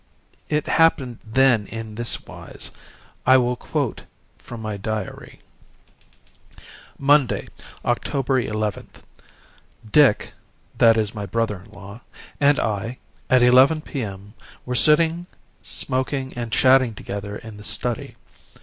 "It happened then in this wise. I will quote from my diary: "Monday, October 11th. Dick that is my brother in law and I, at 11 p.m., were sitting smoking and chatting together in the study.